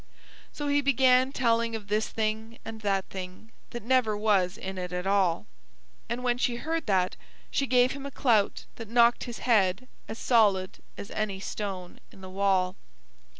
So he began telling of this thing and that thing that never was in it at all. And when she heard that she gave him a clout that knocked his head as solid as any stone in the wall.